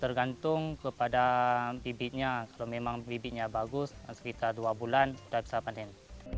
tergantung kepada bibitnya kalau memang bibitnya bagus sekitar dua bulan sudah bisa panen